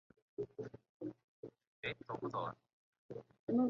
而这项应急的发电工程也是台电公司有史以来最短工期之离岛发电案。